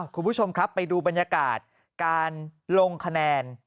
คุณผู้ชมครับไปดูบรรยากาศการลงคะแนน